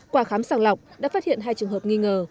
qua khám sàng lọc đã phát hiện hai trường hợp nghi ngờ